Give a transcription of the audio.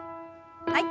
はい。